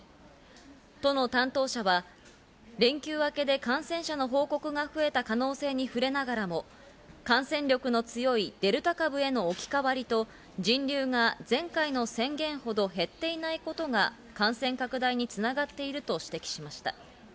都の担当者は、連休明けで感染者の報告が増えた可能性に触れながらも、感染力の強いデルタ株への置き換わりと人流が前回の宣言ほど減っていないことが感染拡大に繋がっていると指摘しました。